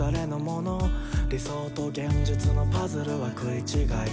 「理想と現実のパズルは食い違い」